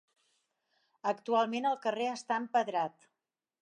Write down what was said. Actualment el carrer està empedrat.